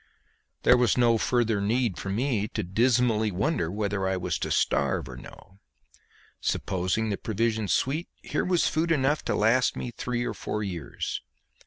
There was no further need for me to dismally wonder whether I was to starve or no; supposing the provisions sweet, here was food enough to last me three or four years.